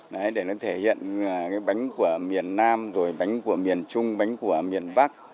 đấy để nó thể hiện cái bánh của miền nam rồi bánh của miền trung bánh của miền bắc